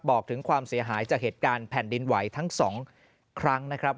บอกถึงความเสียหายจากเหตุการณ์แผ่นดินไหวทั้ง๒ครั้งนะครับ